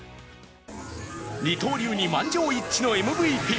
二刀流に満場一致のМＶＰ。